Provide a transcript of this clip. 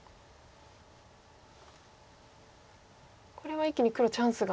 これは一気に黒チャンスが。